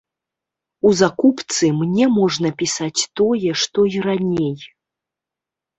У закупцы мне можна пісаць тое, што і раней.